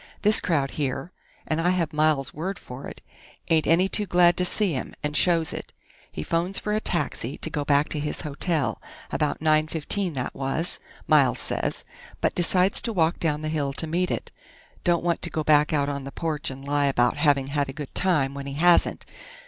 This crowd here and I have Miles' word for it ain't any too glad to see him, and shows it. He phones for a taxi to go back to his hotel about 9:15, that was, Miles says but decides to walk down the hill to meet it. Don't want to go back out on the porch and lie about having had a good time, when he hasn't....